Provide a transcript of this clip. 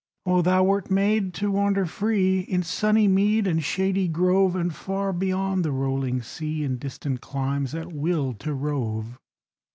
Oh, thou wert made to wander free In sunny mead and shady grove, And far beyond the rolling sea, In distant climes, at will to rove!